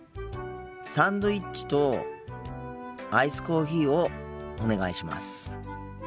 サンドイッチとアイスコーヒーをお願いします。